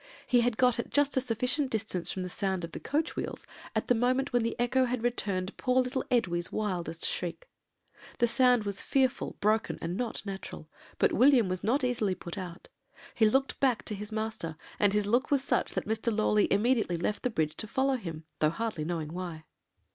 He had got at just a sufficient distance from the sound of the coach wheels at the moment when the echo had returned poor little Edwy's wildest shriek. "The sound was fearful, broken, and not natural; but William was not easily put out; he looked back to his master, and his look was such that Mr. Lawley immediately left the bridge to follow him, though hardly knowing why.